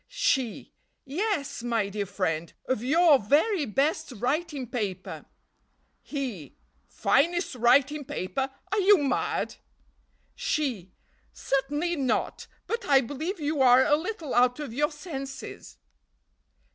"She. 'Yes, my dear friend, of your very best writing paper.' "He. 'Finest writing paper? Are you mad?' "She. 'Certainly not; but I believe you are a little out of your senses.'